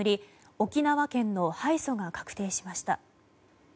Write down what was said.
沖縄県の敗訴が確定しました。